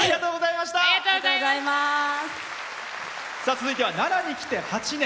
続いては奈良に来て８年。